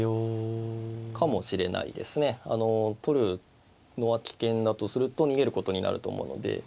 あの取るのは危険だとすると逃げることになると思うので。